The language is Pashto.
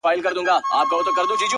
مسافرۍ كي يك تنها پرېږدې؛